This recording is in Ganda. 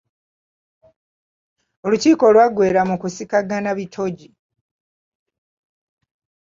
Olukiiko lw’aggweera mu kusikaղղana bitogi.